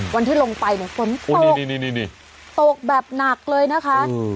วันที่ลงไปเนี่ยฝนตกแบบหนักเลยนะคะ